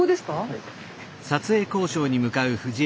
はい。